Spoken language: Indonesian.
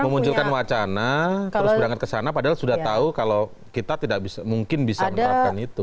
memunculkan wacana terus berangkat ke sana padahal sudah tahu kalau kita tidak mungkin bisa menerapkan itu